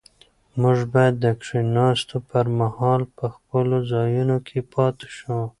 موږ باید د کښېناستو پر مهال په خپلو ځایونو کې پاتې شو.